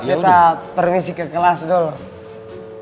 kita permisi ke kelas dulu